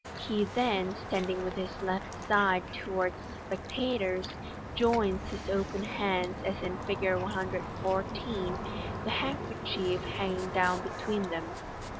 He then, standing with his left side towards the spectators, joins his open hands, as in Fig. 114, the handkerchief hanging down between them.